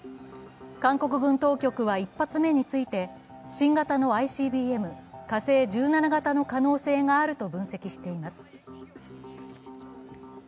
韓国軍当局は１発目について、新型のＩＣＢＭ、火星１７型の可能性があると分析しています。